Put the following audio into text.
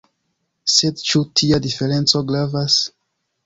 Sed ĉu tia diferenco gravas?